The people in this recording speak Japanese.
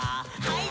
はい。